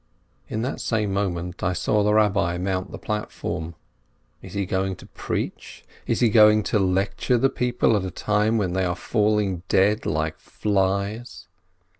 In that same moment I saw the Rabbi mount the platform. Is he going to preach ? Is he going to lecture the people at a time when they are falling dead like flies